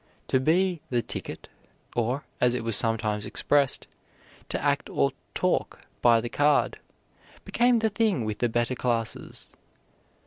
To be "the ticket," or, as it was sometimes expressed, to act or talk by the card, became the thing with the better classes.